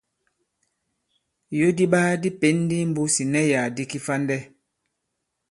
Ìyo di iɓaa di pěn ndi i mbūs ì ìnɛsyàk di kifandɛ.